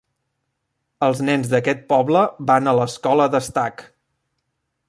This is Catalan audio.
Els nens d'aquest poble van a l'escola d'Estac.